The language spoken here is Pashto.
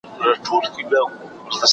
قرآن کريم د تعليم اړوند مهمي لارښووني لري.